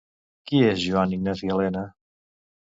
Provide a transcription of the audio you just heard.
Qui és Joan Ignasi Elena?